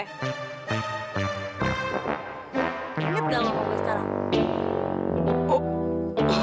inget gak sama gue sekarang